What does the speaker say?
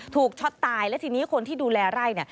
ช็อตตายและทีนี้คนที่ดูแลไร่